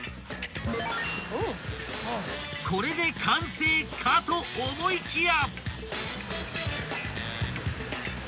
［これで完成かと思いきや］